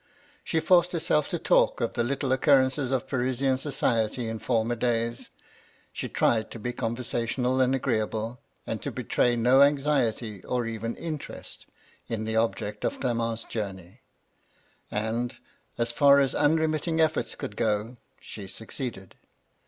She forced herself to talk of the little occurrences of Parisian society in former days : she tried to be conversational and agreeable, and to betray no anxiety or even interest in the object of Clement's journey ; and, as far as unremitting efforts could go, she succeeded.